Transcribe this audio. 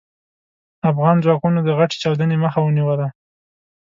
افغان ځواکونو د غټې چاودنې مخه ونيوله.